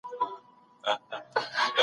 هغه کس چي کار کوي، بايد حق يې ورکړل سي.